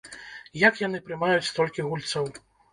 Як яны прымаюць столькі гульцоў?